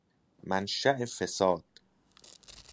منشاء فساد